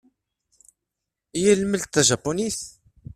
Yelmed ula d tajapunit?